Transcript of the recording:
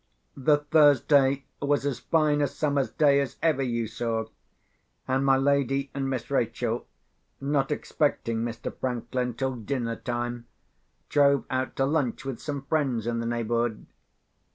The Thursday was as fine a summer's day as ever you saw: and my lady and Miss Rachel (not expecting Mr. Franklin till dinner time) drove out to lunch with some friends in the neighbourhood.